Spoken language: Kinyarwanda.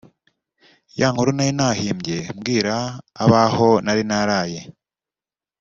ya nkuru nari nahimbye mbwira abaho nari naraye